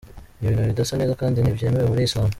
Ni ibintu bidasa neza kandi ntibyemewe muri Islam…”.